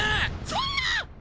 そんな！